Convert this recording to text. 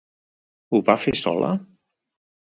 Ho va fer sola?